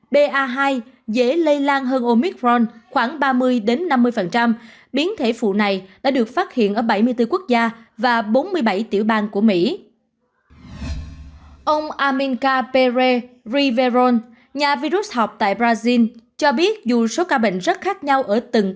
ba hai dễ lây lan hơn omicron